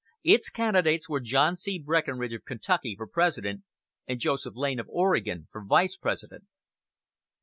Its candidates were John C. Breckinridge of Kentucky for President, and Joseph Lane of Oregon for Vice President.